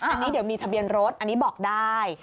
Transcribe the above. อันนี้เดี๋ยวมีทะเบียนรถอันนี้บอกได้